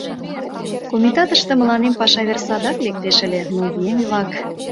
Комитатыште мыланем паша вер садак лектеш ыле, но еҥ-влак...